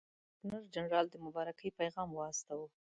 ګورنرجنرال د مبارکۍ پیغام واستاوه.